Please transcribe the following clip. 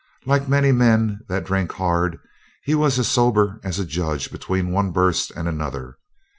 Like many men that drink hard, he was as sober as a judge between one burst and another.